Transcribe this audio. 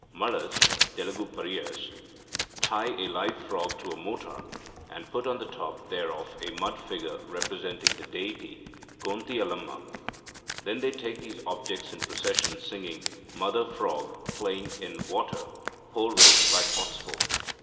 Malas (Telugu Pariahs) tie a live frog to a mortar, and put on the top thereof a mud figure representing the deity Gontiyalamma. They then take these objects in procession, singing "Mother frog, playing in water, pour rain by potsfull."